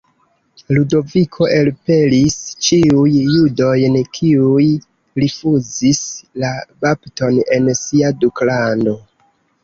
Ludoviko elpelis ĉiuj judojn kiuj rifuzis la bapton en sia duklando.